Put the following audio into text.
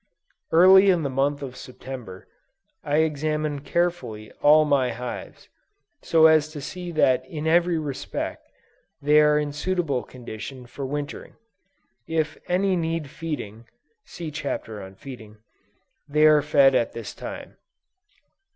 Early in the month of September, I examine carefully all my hives, so as to see that in every respect, they are in suitable condition for wintering. If any need feeding, (See Chapter on Feeding,) they are fed at this time.